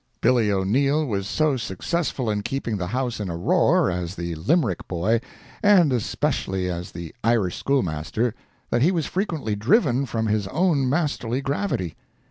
Billy O'Neil was so successful in keeping the house in a roar as the Limerick Boy, and especially as the Irish Schoolmaster, that he was frequently driven from his own masterly gravity.